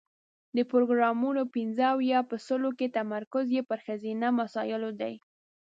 د پروګرامونو پنځه اویا په سلو کې تمرکز یې پر ښځینه مسایلو دی.